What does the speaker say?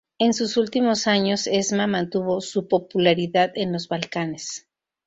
En sus últimos años, Esma mantuvo su popularidad en los Balcanes.